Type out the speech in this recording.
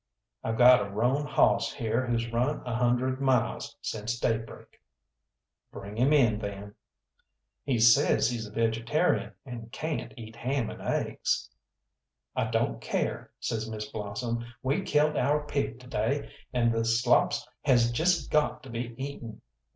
"I've got a roan hawss here who's run a hundred miles since daybreak." "Bring him in, then." "He says he's a vegetarian, and cayn't eat ham and eggs." "I don't care," says Miss Blossom; "we killed our pig to day, and the slops has just got to be eaten.